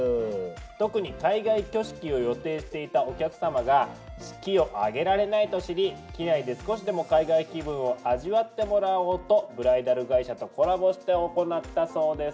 特に海外挙式を予定していたお客さまが式を挙げられないと知り機内で少しでも海外気分を味わってもらおうとブライダル会社とコラボして行ったそうです。